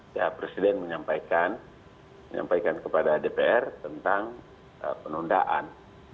ya presiden menyampaikan kepada dpr tentang penundaan